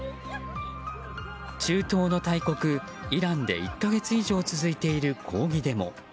中東の大国イランで１か月以上続いている抗議デモ。